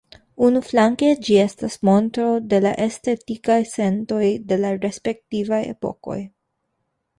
Unuflanke ĝi estas montro de la estetikaj sentoj de la respektivaj epokoj.